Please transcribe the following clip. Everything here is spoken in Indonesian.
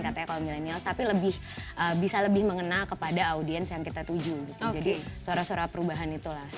katanya kalau milenials tapi lebih bisa lebih mengenal kepada audiens yang kita tuju jadi suara suara perubahan itulah